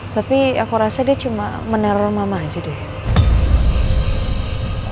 tapi aku rasa dia cuma meneror mamah aja dulu